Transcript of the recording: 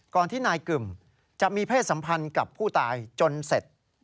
ที่นายกึ่มจะมีเพศสัมพันธ์กับผู้ตายจนเสร็จ